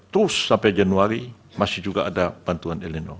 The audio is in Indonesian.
terus sampai januari masih juga ada bantuan eleno